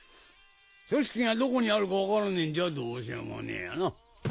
組織がどこにあるか分からねえんじゃどうしようもねえやな。